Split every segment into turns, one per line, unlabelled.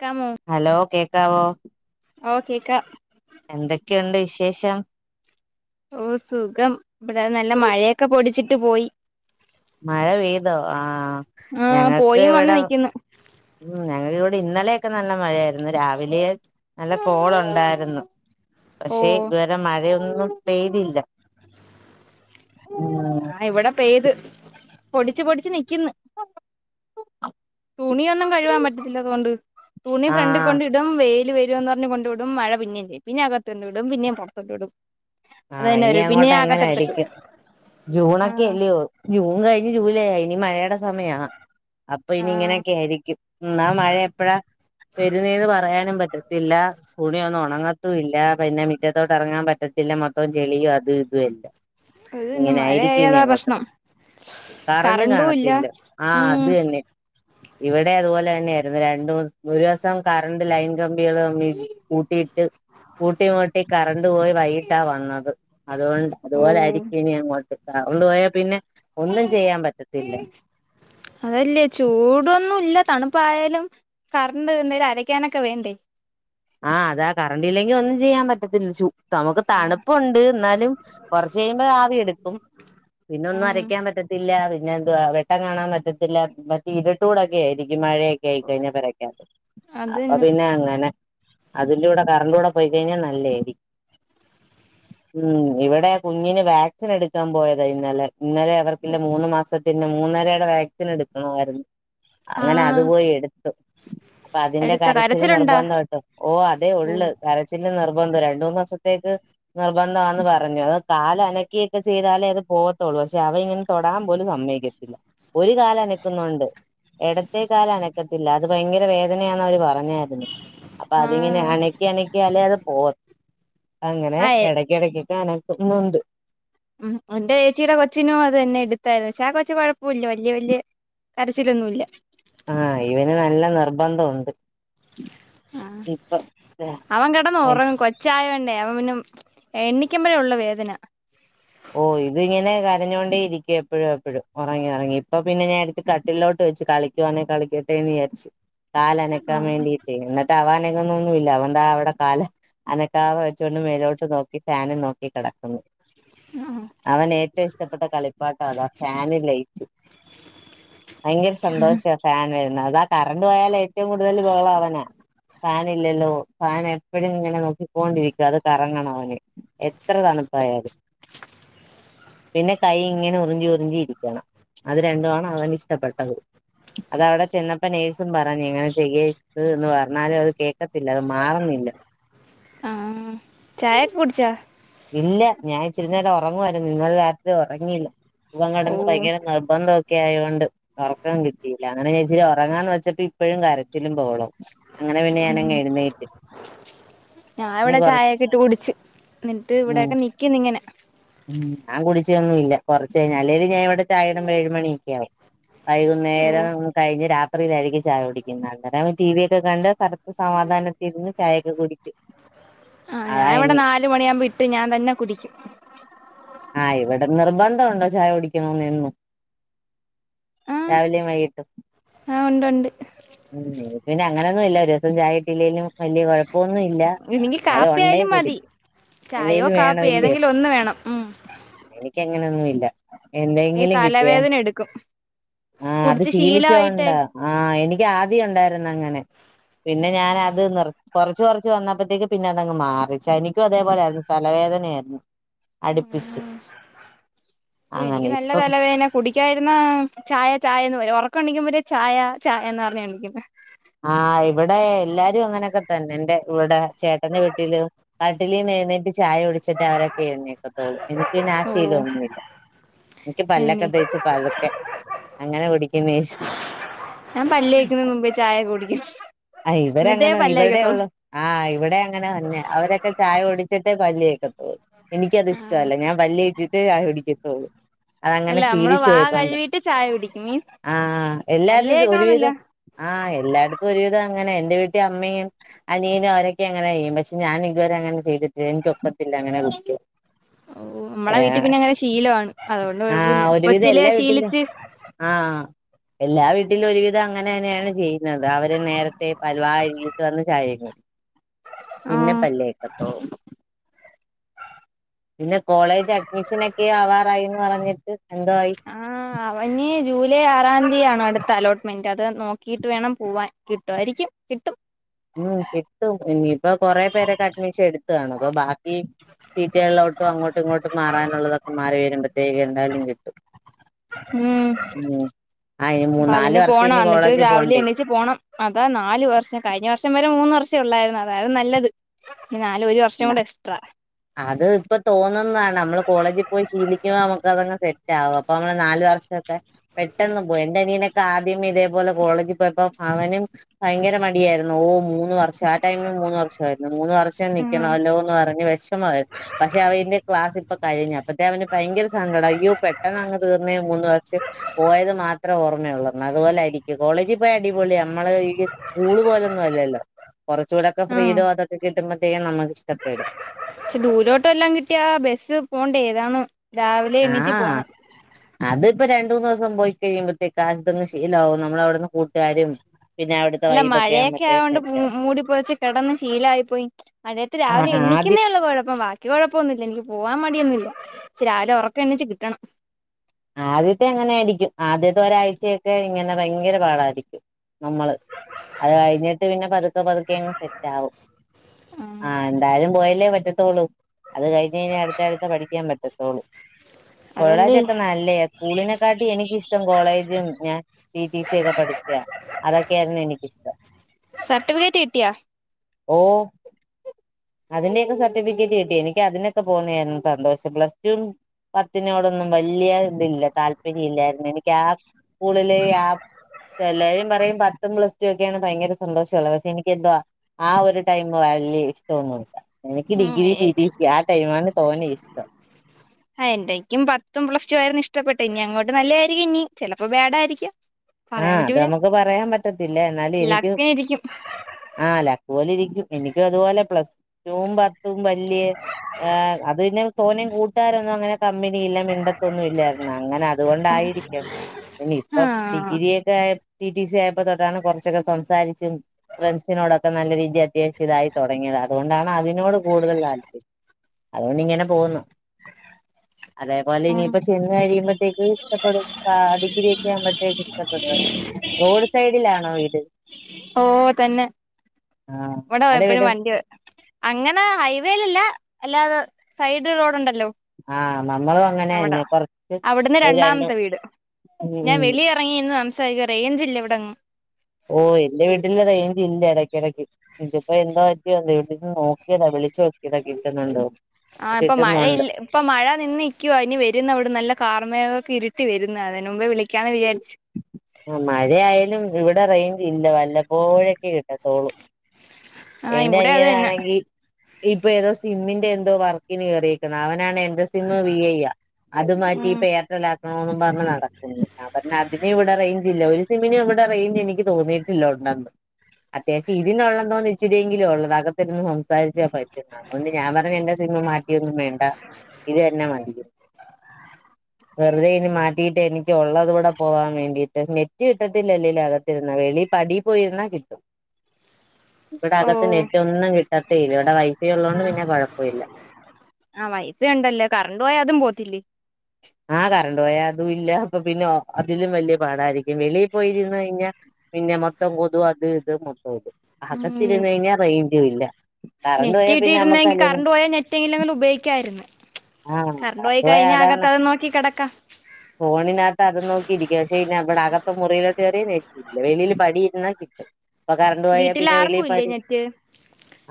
ക്കമു
hello കേക്കാവോ
ഓ ക്കേക്ക
എന്തൊക്കെണ്ട് വിശേഷം
ഓ സുഖം ഇവിടെ നല്ല മഴയൊക്കെ പൊടിച്ചിട്ട് പോയി
മഴ പെയ്തോ ആഹ്
ആ
ഞങ്ങക്ക്
പോയിം വന്ന്
ഇവിടെ
നിക്കുന്നു
ഉം ഞങ്ങ ഇവിടെ ഇന്നലെയൊക്കെ നല്ല മഴയായിരുന്നു ഇന്ന് രാവിലെ നല്ല കോളുണ്ടായിരുന്നു
ഓ
പശെ ഇതുവരെ മഴയൊന്നും പെയ്തില്ല ഉം
ആ ഇവിടെ പെയ്ത് പൊടിച്ച് പൊടിച്ച് നിക്ക്ന്ന്
[inaudible]
തുണിയൊന്നും കഴുവാൻ പറ്റത്തില്ല അതോണ്ട് തുണി
ആഹ്
ഫ്രണ്ട്കൊണ്ട് ഇടും വെയില് പറഞ്ഞ കൊണ്ട് ഇടും മഴ പിന്നേ പെയ്യുംപിന്നെ അകത്ത കൊണ്ട് ഇടും പിന്നും പൊറത്ത് ക്ക്ടും
ആഹ് ഇനി അങ്ങോട്ട് എങ്ങനൊയിരിക്കും
ആ
ജൂണൊക്കെ അല്ലയോ ജൂൺ കഴഞ്ഞ് ജൂലൈ യായി ഇനി മഴയുടെ സമയാ അപ്പൊ
ആ
ഇനി ഇങ്ങനെയൊക്കെയിരിക്കും ന്നാ മഴയപ്പഴാ വരുന്നെന്ന് പറയാനും പറ്റത്തില്ല തുണിയൊന്നണങ്ങത്തി ഇല്ല പിന്നെ മുറ്റത്തോട്ട് എറങ്ങാൻ പറ്റത്തില്ല മൊത്തം ചെളിയും അതും ഇതു എല്ലോ
ഇത് ഇന്ന്
ഇങ്ങനായിരിക്കു ഇനി
മഴയായതാ
അങ്ങോട്ട്
പ്രശ്നം കറണ്ടും ഇല്ല
കറണ്ടുംകാണത്തില്ല ആഹ്
ഉം
അതന്നെ ഇവിടെ അതുപോലെന്നെയായിരുന്നു രണ്ട ഒരുവസം കറണ്ട് ലൈൻ കമ്പി [unintelligible] കൂട്ടിയിട്ട് കൂട്ടിമുട്ടി കറണ്ട് പോയി വൈയിട്ടാവന്ന്- അത് അതുകൊണ്ട്
ഓ
അതുപോലായിരിക്കും ഇനിങ്ങോട്ട് ട്ട ഓള് പോയാപിന്നെ ഒന്നുചെയ്യാ പറ്റത്ത- ത്തില്ല
അതല്ലേ ചൂടൊന്നുല്ല തണുപ്പായാലും കറണ്ട് എന്തിലും അരക്കാനൊക്കെ വേണ്ടേ
ആഹ് അതാ കറണ്ട് ഇല്ലെങ്കിൽ ഒന്നും ചെയ്യാൻ പറ്റത്തില്ല ചു നമക്ക് തണുപ്പണ്ട് ന്നാലും കുറച്ചയിയുമ്പോ ആവി എടുക്കും പിന്നെ ഒന്നും
ഉം
അരക്കാൻ പറ്റത്തില്ല പിന്നെ എന്തോ-ആവ് [unintelligible] കാണാൻ പറ്റത്തില്ല മറ്റേ ഇരുട്ടൂടൊക്കെ ആയിരിക്കും മഴയ [unintelligible] അപ്പൊ
അതന്നെ
പിന്നെങ്ങനെ അതിൻ്റൂടെ കറണ്ടൂടെ പോയി കയിഞ്ഞാ നല്ലേരി - ഉം ഇവിടെ കുഞ്ഞിന് വാക്സിനെടുക്കാൻ പോയതാ ഇന്നലെ ഇന്നലെ അവർക്കില്ല മൂന്നമാസത്തിൻ്റെ മൂന്നരയുടെ വാക്സിനെടുക്കണായിരുന്നു അങ്ങനെ
ആഹ്
അതുപോയി എടുത്തു അപ്പൊ അതിന്റെ
എടുത്തോ
കരച്ചില്
കരച്ചിലുണ്ടോ
നിർബന്ധ ഓ അതെ ഉള്ള് കരച്ചില് നിർബന്ധ രണ്ടൂന്നവസത്തേക്ക് നിർബദ്ധാന്ന് പറഞ്ഞു അത് കാല് അനക്കിയിട്ട് ചെയ്താലേ അത് പോവത്തുള്ളൂ ക്ഷെ അവ ഇങ്ങനെ തൊടാൻ പോലും സമ്മയക്കില [inaudible] ഒരു കാലനക്കുന്നുണ്ട് ഇടത്തേ കാലനക്കത്തില്ല അത് ഭയങ്കര വേദനയാന്ന അവര് പറഞെ
[inaudible]
പ്പ അതിന് അനക്കിഅനക്കി ക്കിയാലേ അത് പോ അങ്ങനെ
ആഹ്
ഇടക്കടക്കൊക്കെ കാണാം [unintelligible]
എന്റെ ഏച്ചിയുടെ കൊച്ചിനും അതന്നെ എടുത്തായിരുന്നു ശെ ആ കൊച്ചു കൊഴപ്പല്ല വല്യയ വല്യയ കരച്ചിലൊന്നുല്ല
ആ അയിൻ നല്ല നിർബദ്ധുണ്ട്
അവൻ കെടന്ന് ഉറങ്ങു കൊ- ച്ചായോണ്ട് അവ നും എണ്ണിക്കുമമ്പഴേ ഒള്ളുവേദന
ഓ ഇത്ങ്ങനെ കരഞ്ഞോണ്ടിരിക്ക എപ്പോഴും എപ്പോഴും ഉറങ്ങി ഉറങ്ങി ഇപ്പ പിന്നെ ഞാൻ അടുത്ത് കട്ടിലോട്ട് വെച്ച് കളിക്ക [unintelligible] കളിക്കട്ടെന്ന് വിചാരിച്ച് കാലനക്കാൻ
ആഹ്
വേണ്ടിട്ട് ടീ ന്നിട്ട് ആവനങ്ങുന്നൊന്നുല്ല അവന്താ അവിടെ കാല അനക്കാതെ വച്ചൊണ്ട് മേലോട്ട് നോക്കി ഫാനും നോക്കി കെടക്കുന്നു
[inaudible]
അവനെ ഏറ്റവുംഇഷ്ടപ്പെട്ട കളിപ്പാട്ട അതാ ഫാനുലൈറ്റ് ഭയങ്കര സന്തോഷാ ഫാൻ വരുന്നത് അതാ കറണ്ട് പോയാലേറ്റവും കൂടുതൽ ഉള്ള അവനാ ഫാനില്ലല്ലോ ഫാനെപ്പൊഴും ങ്ങനെ നോക്കിക്കോണ്ടിരിക്ക അത് കറങ്ങണംഅവന് എത്ര തണുപ്പായാലും പിന്നെ കയ്യിങ്ങനെ ഉറിഞ്ചി ഉറിഞ്ചി ഇരിക്കണം അത് രണ്ടുആണവനിഷ്ടപ്പെട്ടത് അതവിടെ ചെന്നപ്പോ നേഴ്സും പറഞ്ഞു ങ്ങനെ ചെയ്യരുത് ന്ന് പറഞ്ഞാലുഅത് കേക്കത്തില്ല അത് മാറുന്നില്ല
ആഹ് ചായൊക്കെ കുടിച്ചാ
ഇല്ല ഞാൻ ഇിച്ചിരി നേരം ഒറങ്ങുവായിരുന്നു ഇന്നലെ രാത്രി ഒറങ്ങിയില്ല വൻ
ഓ
കെടന്ന് ഭയങ്കര നെർബന്ധംഅത് ക്കെയായൊ ണ്ട് ഒറക്കം കിട്ടിയില്ല അങ്ങനെഞാനിച്ചിരി ഒറങ്ങാന്ന് വെച്ചപ്പോ ഇപ്പഴും കരച്ചിലും ബഹളും പിന്നെ
ഞാഇവിടെ
കൊറ
ചായെക്ക്‌ട്ട് കുടിച്ച് ന്നിട്ട്
ഉം
ഇവിടെക്കെ നിക്കിന്നിങ്ങനെ
ഞാൻ കുടിച്ചൊന്നുമില്ല കൊറച്ച്കയിഞ്ഞ് അല്ലേലും ഞാൻ ഇവിടെ ചായക്കെണ്ടാക്ക ഏഴുമണി യ്ക്കാ വൈകുന്നേരം കയി ഞ്ഞ് രാത്രിയിലായിരിക്കും ചായ കുടിക്കുന്നെ അന്നേരം ടി വിയൊക്കെ കണ്ട് കട സമാധാനത്തിരുന്ന് ചായൊക്കെ കുടിക്ക്
ഞാഇവിടെ നാല് മണിയാവുമ്പിട്ട് ഞാൻതന്നെ കുടിക്കും
ആയ് വടെ നിർബന്ധഉണ്ടോ ചായ കുടിക്കണമെന്നും രാവിലിൻ വൈകിട്ടും
ആ ഉണ്ടുണ്ട്
ഉം പിന്നങ്ങനൊന്നുല്ല ഒരു ദിവസം ചായകിട്ടിലേലും വല്യ കൊയപ് ഇപ്പൊന്നുഇല്ല
എനിക്ക്
എന്നാലും ഉണ്ടേ
കാപ്പിയായാലും മതി
കുടിക്കും എന്തെലും വേണഇല്യോ
ഇന്ന് വേണം ഉം
എനിക്കങ്ങനൊന്നുഇല്ല എന്തെങ്കിലും കിട്ടിയ
എട്ക്കും
ആഹ് അത് ശീലിച്ചകൊണ്ടാ ആഹ് എനിക്കാദ്യം ഉണ്ടാരുന്നു അങ്ങനെ പിന്നെ ഞാൻ അത് നിർ കൊറച്ച് കൊറച്ച് വന്നപ്പോത്തേക്ക് പിന്നെ അതങ്ങ് മാറി എനിക്കുഅതേപോലാരുന്നു തലവേദന ആരുന്നു
ഉം
അങ്ങനെ
ഇപ്പെനിക്ക് നല്ല
ഇപ്പം
തലവേന കുടിക്കായിരുന്ന ചായ ചായ എന്ന് വരും ഒറക്കം എണിക്കുമ്പഴേ ചായ ചായ എന്ന്പറഞ്ഞെണീക്കും
ആഹ് ഇവിടെ എല്ലാരും അങ്ങനൊക്കെതന്നെന്റെ ഇവിടെ ചേട്ടന്റെ വീട്ടീലു കട്ടിലെന്നെയ്യ്ന്നെറ്റ് ചായ കുടി ച്ചിട്ടവരൊക്കെ എയുനെക്കത്തൊള്ളൂ എനിക്ക് പിന്നെ ആ
ഓ
ശീലൊഒന്നു ഇല്ല എനിക്ക് പല്ലൊക്കെ
എന്നെ
തേച്ച് പതുക്കെ അങ്ങനെ കുടിക്കുന്നാ ഇഷ്ടം
ഞാൻ പല്ലേക്കുന്ന മുമ്പേ ചായ കുടിക്കും
ആ
എന്നിട്ടേ
ഇവരങ്ങനെ
പല്ല് തേക്കത്തുള്ളൂ
ഇവരുടെഒള്ളൂ ആഹ് ഇവിടെ അങ്ങനെതന്നാ അവരൊക്കെ ചായ കുടിച്ചിട്ടേ പല്ലേക്കത്തുള്ളൂ എനിക്കതിഷ്ടല്ല ഞാൻ പല്ലെച്ചിട്ടേ ചായകുടിക്കത്തുള്ളൂ അതങ്ങനെ
അല്ല നമ്മള് വാ
ശീലിച്ചുപോയി പണ്ട്
കഴുകിട്ട് ചായ കുടിക്കും മീൻസ്
ആഹ്
പല്ല്
എല്ലാരുത്
തേക്കണോന്നില്ല
ഒരുവിധം ആഹ് എല്ലായിടത്തുഒരുവിധം അങ്ങനെയാ എന്റെ വീട്ടിആമ്മയും അനിയനും അവരൊക്കെ അങ്ങനെ ചെയ്യും പക്ഷെ ഞാൻ ഇതുവരെ അങ്ങനെ ചെയ്തിട്ടില്ല എനിക്ക് ഓക്കാത്തില്ല അങ്ങനെ കുടിക്കാൻ
ഓഹ് നമ്മളെ വീട്ടിപിന്നങ്ങനെ ശീലവാണ് അതുകൊണ്ട്
ആഹ്
കൊഴപ്പില്ല
ഒരുവിധം
കൊച്ചിലേ
എല്ലാ വീട്ടിലും
ശീലിച്ച്
ആഹ് എല്ലാ വീട്ടിലുഒരുവിധം അങ്ങനെന്നെയാണ് ചെയ്യുന്നത് അവര് നേര ത്തേ പല്ല് വാ കഴുകിട്ട് വന്ന് ചായ കഴിക്കും പിന്നെ
ആഹ്
പല്ലേ എത്തോ പിന്നെ കോളേജഡ്മിഷനൊക്കെ ആവാറായിന്ന് പറഞ്ഞിട്ട് എന്തവായി
അപ്പഇനി ജൂലൈ ആറാം തിയാണ് അടുത്ത അലോട്ട്മെന്റ് അത് നോക്കിയിട്ട് വേണം പുവാൻ കിട്ടുവാരിക്കും കിട്ടും
ഉം കിട്ടും ഇനിയിപ്പൊ കൊറെ പേരൊക്കെ അഡ്മിഷനെടുത്ത്കാണും അപ്പൊ ബാക്കി സീറ്റിയലോട്ടും അങ്ങോട്ടുഇങ്ങോട്ട് മാറാനുള്ളതൊക്കെ മാറി വരുമ്പത്തേക്ക് എന്തായാലും കിട്ടും
ഉം
ഉം ആ ഇനി മൂന്നാല്
അപ്പതിന്
വർഷം
പോണം
ഇനി
എന്നിട്ട്
കോളേജിൽ
രാവിലെ
പോണ്ടേ
എണ്ണീച്ച് പോണം അതാ നാല് വർഷം കഴിഞ്ഞ വർഷം വരെ മൂന്ന് വർഷെ ഉള്ളാരുന്നു അതാരുന്നു നല്ലത് ഇനി നാല് ഒരു വർഷം കൂടെഎക്സ്ട്രാ
അത് ഇപ്പൊ തോന്നുന്ന നമ്മള് കോളേജി പോയി ശീലിക്കുമ്പോ നമുക്കതങ്ങ് സെറ്റാകും അപ്പൊ നമ്മള് നാല് വർഷൊക്കെ പെട്ടെന്ന് പോയി എന്റെ നീനൊക്കെ ആദ്യമ ഇതേപോലെ കോളേജിൽ പോയപ്പോ അവനും ഭയങ്കര മടിയാരുന്നു ഓ മൂന്ന് വർഷം ആ ടൈമിൽ മൂന്ന് വർഷയിരുന്നു മൂന്ന് വർഷം നി
ആഹ്
ഉണ്ടോന്ന് പറഞ് വെഷമായി പക്ഷെ അവന്റെ ക്ലാസ് ഇപ്പൊ കഴിഞ്ഞപ്പത്തെ അവന് ഭയങ്കര സങ്കടം അയ്യോ പെട്ടെന്ന് അങ്ങ് തീർന്നെ മൂന്ന് വർക്ഷം പോയത് മാത്രേ ഓർമ്മയുള്ളന്ന് അതുപോലെ ആരിക്കും കോളേജിൽ പോയി അടിപൊളി നമ്മള് ഈ സ്കൂൾ പോലൊന്നും ആല്ലല്ലോ കുറച്ചൂടൊക്കെ
ആഹ്
ഫ്രീടം അതൊക്കെ കിട്ടുമ്പോഴത്തേക്കും നമുക്ക് ഇഷ്ടപ്പെടും
പക്ഷെ ദൂരോട്ട് വെല്ലാം കിട്ടിയ ബസ്സ് പോണ്ടെ ഇതാണ് രാവിലെ എണീറ്റ് പോണം
അത്പ്പ രണ്ട് മൂന്ന് ദിവസം പോയി കഴിയുമ്പോത്തേക്ക് ആതങ് ശീലമാവും നമ്മള അവിടുന്ന് കൂട്ടുകാരും പിന്നെ അവിടുത്തെ
അല്ല
വൈബൊക്കെ
മഴയൊക്കെ
ആവുമ്പോഴത്തേക്ക്
ആയൊണ്ട് മു
സെറ്റാവും
മൂടിപ്പോതാച്ച് കിടന്നന്ന് ശീലായി പോയി മഴയത്ത്
ആ
രാവിലെ
ആദ്യം
എണിക്കുന്നേ ഉള്ള കുഴപ്പമാ എനിക്ക് കുഴപ്പൊഒന്നുല്ല എനിക്ക് പോവാൻ മടിഓന്നുഇല്ല പാഷെ രാവിലെ ഉറക്കെ എണ്ണിച്ച് കിട്ടണം
ആദ്യത്തെ ആങ്ങനരിക്കും ആദ്യത്തെ ഒരാഴ്ചഓക്കെ ഇങ്ങനെ ഭയങ്കര പാട അരിക്കും നമ്മള് അത് കഴിഞ്ഞിട്ട് പിന്നെ പതുക്കെ പതുക്കെങ്ങ് സെറ്റ് ആകും ആഹ് എന്താലും പോയല്ലേ പറ്റത്തോള്ളൂ അത് കഴിഞ് കഴിഞ്ഞാ അടുത്ത അടുത്ത പഠിക്കാൻ പറ്റത്തോള്ളൂ
അതല്ലേ
കൊള്ളേജ് അല്ലെ സ്കൂളിനെ കാട്ടി എനിക്കിഷ്ടം കോളേജും ഞാൻ ടി. ടി. സി. ഒക്കെ പഠിച്ച അതൊക്കെയര്ന്ന് എനക്കിഷ്ടം
സർട്ടിഫിക്കറ്റ് കിട്ടിയാ
ഓഹ് അതിന്റെയൊക്കെ സർട്ടിഫിക്കറ്റ് കിട്ടി എനിക്കതിനൊക്കെ പോകുന്ന സന്തോഷം പ്ലസ്റ്റു പത്തിനോടൊന്നും വല്ല്യ ഇതില്ല താല്പര്യ ഇല്ലായിരുന്നു എനിക്ക് ആ സ്കൂളില് ആഹ് എല്ലാരും പറയും പത്തും പ്ലസ് ടു ഒക്കെയാണ് ഭയങ്കര സന്തോഷള്ളത് പക്ഷെ എനിക്ക് എന്തുവാ ആഹ് ഒരു ടൈം ഇഷ്ടൊന്നും ഇല്ല എനിക്ക്
ഉം
ഡിഗ്രി
ആഹ്
തീറ്റീ സി ആഹ് ടൈമാണ് തോന്ന ഇഷ്ടം
ആഹ് എന്തക്കും പത്തും പ്ലസ് ടു ആയിരുന്നു ഇഷ്ടപ്പെട്ടെ ഇനി അങ്ങോട്ട് നല്ലതായിരിക്കും ഇനി ചിലപ്പോ ബാടായിരിക്ക
ആഹ് അത് നമുക്ക് പറയാൻ പറ്റത്തില്ല എന്നാലും എനിക്ക്
ലക്കിനിരിക്കും
ആഹ് അല്ല അക്ക പോലെ ഇരിക്കും എനിക്കും അതുപോലെ പ്ലസ് വും പത്തും വല്യേ അത് പിന്നെ തോന്നയും കൂട്ടുകാരൊന്നും അങ്ങനെ കമ്പനി ഇല്ല മിണ്ടത്തൊന്നും ഇല്ലായിരുന്ന അങ്ങനെ അതു കൊണ്ടായിരിക്കും ഇനി ഇപ്പ
ആഹ്
ഡിഗ്രി ഒക്കെ ആയ് ടി ടി സി ആയപ്പോ തൊട്ടാണ് കുറച്ചൊക്കെ സംസാരിച്ച ഫ്രണ്ട്സിനോടൊക്കെ നല്ല രീതി അത്യാവശ്യ ഇതായി തുടങ്ങിയത അതു കൊണ്ടാണ് അതിനോട് കൂടുതൽ താല്പര്യം അതു കൊണ്ട് ഇങ്ങനെ പോകുന്നു അതേപോലെ
ഉം
ഇനിയിപ്പ ചെന്ന കഴിയുമ്പോത്തേക്ക് ഇഷ്ടപ്പെടും ഡിഗ്രിയ ഒക്കെ ആ ഇഷ്ടപ്പെടു റോഡ് സൈഡിലാണോ വീട്
ഓഹ് തന്നെ
ആഹ് ഞങ്ങടെ
ഇവിടെയപ്പോഴും
വീടും
വണ്ടി വ അങ്ങനെ ഹൈവേയിലല്ല അല്ലാതെ സൈഡ് റോഡ ഉണ്ടല്ലോ
ആഹ് നമ്മളും അങ്ങനെ
അവിട
തന്നെ കൊറച്ച്
അവിടുന്ന്
ഒരു രണ്ട്
രണ്ടാമത്തെ വീട് ഞാൻ
ഉം
വലിയ ഇറങ്ങിന്ന് സംസാരിക്കുക റേഞ്ച ഇല്ല ഇവിടങ്ങ്
ഓഹ് എന്റെ വീട്ടില റൈഞ്ച ഇല്ല ഇടയ്ക്കിടയ്ക്ക് ഇതിപ്പോ എന്താ പറ്റിയോ എന്തോ നോക്കിയതാ വിളിച്ചു നോക്കിയതാ കിട്ടുന്നുണ്ടോ
ആഹ് ഇപ്പൊ
കിട്ടുന്നുണ്ട്
മഴയില്ല ഇപ്പൊ മഴ നിന്നക്കുവോ ഇനി വരുന്ന അവിടെ നല്ല കാർമേഗോകെ ഇരുട്ടി വരുന്ന അതിന് മുമ്പേ വിളിക്കാന്ന് വിചാരിച്ചു
ആ മഴയാലും ഇവിടെ റേഞ്ച് ഇല്ല വല്ലപ്പോഴൊക്കെ കിട്ടാത്തോളൂ
ആഹ്
എന്റെ
ഇവിടെ അത് തന്നെ
അനിയതാണെങ്കിൽ ഇപ്പ ഏതോ സിമ്മിന്റെ എന്തോ വർക്കിന് കേറിയിക്കുന്നത് അവനാണ് എന്റെ സ് സിം വി ഐ അത് മാറ്റി
ഉം
എർറ്റലാക്കണും പറഞ്ഞ് നടക്കുന്നു ആ പറ അതിനും ഇവിടെ റേഞ്ച്ല്ല ഒരു സിമിനും ഇവിടെ റേഞ്ച് എനിക്ക് തോന്നിയിട്ടില്ലോ ഉണ്ടന്ന് അത്യാവശ്യം ഇതിനുള്ളത തോന്ന ച്ചിരിയെങ്കിലും ഉള്ളത് അകത്തിരുന്ന് സംസാരിച്ചാ പ അതുകൊണ്ട് ഞാൻ പറഞ് എന്റെ സിം മാറ്റിയൊന്നും വേണ്ട ഇത് തന്നെ മതിന്നു
[inaudible]
വെറുതെ ഇനി മാറ്റിയിട്ട് എനിക്ക് ഉള്ളത് കൂടെ പോവാാൻ വേണ്ടിയിട്ട് നെറ്റ് കിട്ടത്തില്ലല്ലേലും അക ത്തിരുന്ന വെളി പടി പോയിരുന്നാ കിട്ടും ഇവിടെ അകത്ത്
ഓഹ്
നെറ്റ് ഒന്നും കിട്ടത്തേ ഇല്ല ഇവിടെ വൈഫൈ ഉള്ളോണ്ട് പിന്നെ കുഴപ്പല്ല
ആഹ് വൈഫൈ ഉണ്ടല്ലോ കറണ്ട് പോയാ അതും പോവ്ത്തില്ലേ
ആഹ് കറണ്ട് പോയാ അതും ഇല്ല അപ്പൊ പിന്നെ അതിലും വലിയ പാടായിരി വെളിയിൽ പോയിരുന്നു കഴിഞ്ഞാ പിന്നെ മൊത്തം കൊതും അത് ഇത് മൊത്തം കൊതും
ഉം
അകത്തിരുന്ന് കഴിഞ്ഞാ റേഞ്ചും ഇല്ല കറണ്ട്
നെറ്റ്
പോയാൽ പിന്നെ നമ്മുക്ക്
കിട്ടിയിരുന്നെങ്കി
അല്ലേലും
കറണ്ട് പോയാൽ നെറ്റെങ്കിലും എങ്കിലും ഉപയോഗിക്കായിരുന്ന്
ആ
കറണ്ട് പോയി
പോയാ
കഴിഞ്ഞ
അതാണ്
അകത്തതും നോക്കി കിടക്കാ
ഫോണിനകത്ത് അതും നോക്കിയിരിക്കും പക്ഷേ അയിന് അവിടെ അകത്ത് മുറിയിലോട്ട് കേറിയാ നെറ്റ് ഇബടെ വെളിയിൽ പടി ഇരുന്നാ കിട്ടും ഇപ്പൊ കറണ്ട് പോയാ
വീട്ടിൽ
പിന്നെ വെളിയിൽ
ആർക്കും ഇല്ലേ
പടി
നെറ്റ്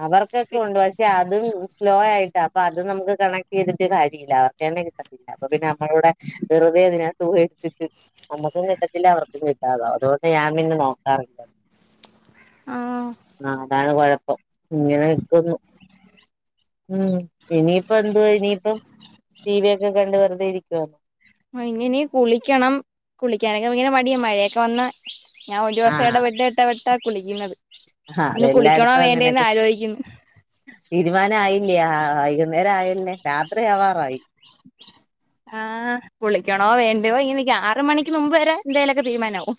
അവർക്കൊക്കെ ഉണ്ട് പക്ഷെ അതും സ്ലോ ആയിട്ടാ അപ്പൊ അതും നമുക്ക് കണക്ട് ചെയ്തിട്ട് കാര്യല്ല അവർക്ക് തന്നെ കിട്ടത്തില്ല. അപ്പൊ പിന്നെ നമ്മളവിടെ വെറുതെ എതിനാ തൂ എടുത്തിട്ട് നമ്മക്കും കിട്ടത്തില്ല അവർക്കും കിട്ടാതാവും അതുകൊണ്ട് ഞാൻ പിന്നെ നോക്കാറില്ല.
ആഹ്
ആഹ് അതാണ് കൊഴപ്പം ഇങ്ങനെക്കൊന്നു ഉമ് ഇനിയിപ്പ എന്തുവാ ഇനിയിപ്പം ടി വി ഒക്കെ കണ്ട് വെറുതെ ഇരിക്കു
വൈങ്ങനീ കുളിക്കണം കുളിക്കാനൊക്കെ ഭയങ്കര മടിയാ മഴയൊക്കെ വന്ന ഞാൻ ഒരു ദിവസം
ആഹ്
എടവിട്ട് എടവിട്ടാ കുളിക്കുന്നത്
ആഹ്
ഇന്ന് കുളിക്കണോ
അതെല്ലായിടത്തും
വേണ്ടേന്ന്
അങ്ങനെയൊക്കെ
ആലോയിക്ക്ന്ന്.
തീരുമാനം ആയില്ലേ ആഹാ വൈകുന്നേരം ആയല്ലേ രാത്രി ആവാറായി.
ആഹ് കുളിക്കണോ വേണ്ടോ ഇങ്ങനിക്ക ആറ് മണിക്ക് മുമ്പ് വരെ എന്തേലൊക്കെ തീരുമാനാവും.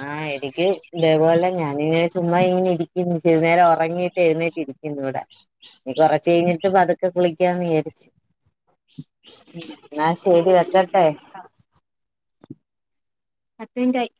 ആഹ് എടക്ക് ഇതേപോലെ ഞാനിങ്ങനെ ചുമ്മാ ഇങ്ങനെ ഇരി ഉം ഇച്ചിരി നേരം ഒറങ്ങിയിട്ട് എഴുന്നേറ്റ് ഇരിക്കുന്നു ഇവിടെ. ഇനി കുറച്ച് കഴിഞ്ഞിട്ട് പതുക്കെ കുളി ക്ക്യാന്ന് വിചാരിച്
ന്നാ ശരി വെക്കട്ടെ? പത്ത് മിൻറ്റായി.